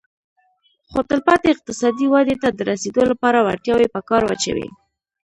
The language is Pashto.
خو تلپاتې اقتصادي ودې ته د رسېدو لپاره وړتیاوې په کار واچوي